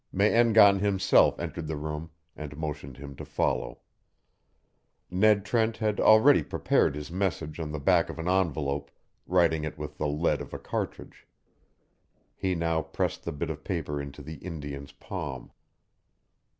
Me en gan himself entered the room, and motioned him to follow. [Illustration: "DO SO NOW!" Scene from the play.] Ned Trent had already prepared his message on the back of an envelope, writing it with the lead of a cartridge. He now pressed the bit of paper into the Indian's palm.